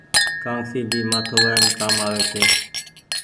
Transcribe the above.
ڪآنگسي ڀي مآٿو وآئم ڪآم آوي ڇي۔